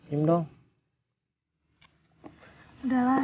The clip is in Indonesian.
itu tak ada hal kan